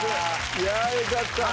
いやぁ、よかった。